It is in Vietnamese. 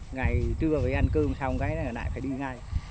ngày trưa phải ăn cơm xong cái này lại phải đi ngay